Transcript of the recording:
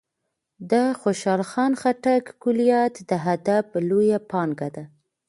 د خوشال خان خټک کلیات د ادب لویه پانګه ده.